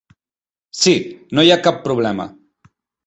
Sí, no hi ha cap problema.